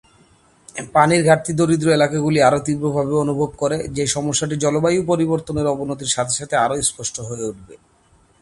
পানির ঘাটতি দরিদ্র এলাকাগুলি আরও তীব্রভাবে অনুভব করে, যেই সমস্যাটি জলবায়ু পরিবর্তনের অবনতির সাথে সাথে আরও স্পষ্ট হয়ে উঠবে।